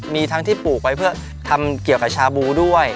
มีทั้งที่ปลูกไว้เพื่อทำเกี่ยวกับชาบูด้วย